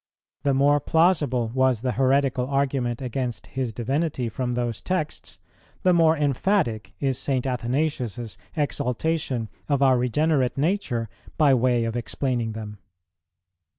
The more plausible was the heretical argument against His Divinity from those texts, the more emphatic is St. Athanasius's exaltation of our regenerate nature by way of explaining them.